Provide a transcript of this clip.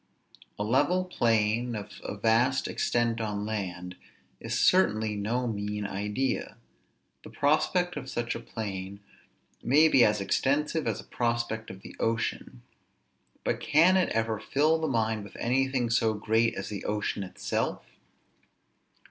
A level plain of a vast extent on land, is certainly no mean idea; the prospect of such a plain may be as extensive as a prospect of the ocean; but can it ever fill the mind with anything so great as the ocean itself?